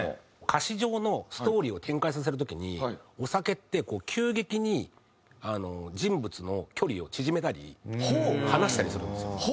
歌詞上のストーリーを展開させる時にお酒って急激に人物の距離を縮めたり離したりするんですよ。